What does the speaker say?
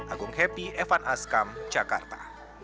agung happy evan askam jakarta